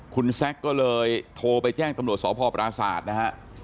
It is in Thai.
คุณแซคก็เลยโทรไปแจ้งตำรวจสพปราศาสตร์นะฮะ